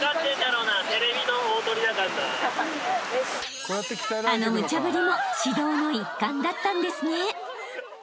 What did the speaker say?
［あの無茶振りも指導の一環だったんですね］